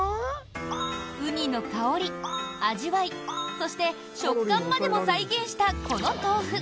ウニの香り、味わいそして食感までも再現したこの豆腐。